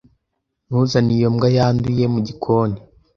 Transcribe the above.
Ntuzane iyo mbwa yanduye mu gikoni.